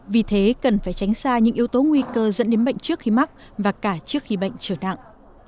vì thế cần phải tránh xa những yếu tố nguy cơ dẫn đến bệnh trước khi mắc và cả trước khi bệnh trở nặng